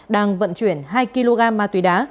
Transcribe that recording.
đang vận chuyển hai kg ma túy đá